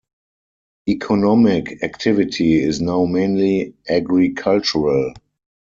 Economic activity is now mainly agricultural.